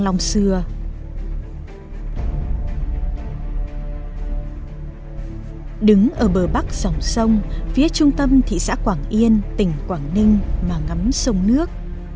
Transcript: một dòng sông phía trung tâm thị xã quảng yên tỉnh quảng ninh mà ngắm sông nước